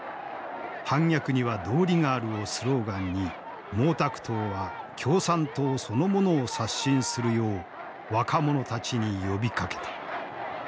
反逆には道理がある」をスローガンに毛沢東は共産党そのものを刷新するよう若者たちに呼びかけた。